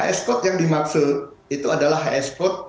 hs code yang dimaksud itu adalah hs code untuk